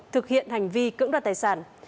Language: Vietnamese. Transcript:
thực hiện hành vi cưỡng đoạt tài sản